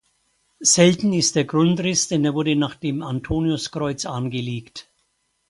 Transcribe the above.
Selten ist der Grundriss, denn er wurde nach dem Antoniuskreuz angelegt.